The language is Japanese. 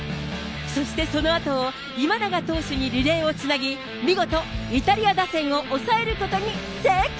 そしてそのあと、今永投手にリレーをつなぎ、見事、イタリア打線を抑えることに成功。